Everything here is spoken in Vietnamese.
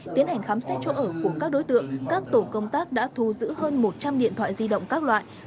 tiến hành khám xét chỗ ở của các đối tượng các tổ công tác đã thu giữ hơn một trăm linh điện thoại di động các loại